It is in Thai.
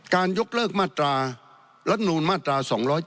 การยกเลิกมาตราลำนูนมาตรา๒๗๙